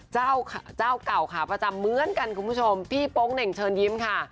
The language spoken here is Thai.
เจ้าเจ้าเก่าขาประจำเหมือนกันคุณผู้ชมพี่โป๊งเหน่งเชิญยิ้มค่ะ